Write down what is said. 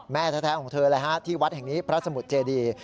แม่แท้ของเธอเลยฮะที่วัดแห่งนี้พระสมุทรเจดี